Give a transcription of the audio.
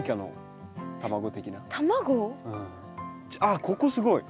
あここすごい。